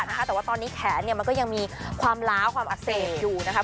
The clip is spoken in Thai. แต่ว่าตอนนี้แขนมันก็ยังมีความล้าวความอักเสบอยู่นะคะ